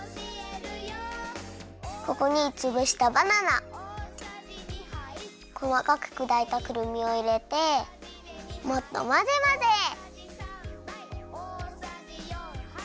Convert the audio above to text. ここにつぶしたバナナこまかくくだいたくるみをいれてもっとまぜまぜ。